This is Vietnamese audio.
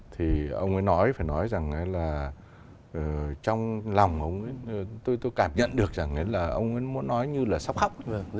tôi cảm thấy rằng là trong lòng tôi cảm nhận được rằng là ông ấy muốn nói như là sốc khóc